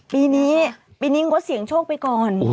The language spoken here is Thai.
ปีนี้ปีนี้งดเสียงโชคไปก่อน